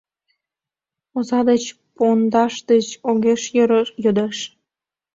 Оза деч Пондаш деч Огеш йӧрӧ йодаш...